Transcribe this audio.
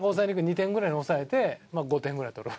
２点ぐらいに抑えて５点ぐらい取る。